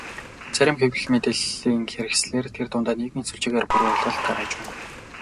Зарим хэвлэл, мэдээллийн хэрэгслээр тэр дундаа нийгмийн сүлжээгээр буруу ойлголт тарааж байна.